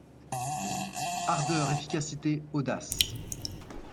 Ardeur, efficacité, audace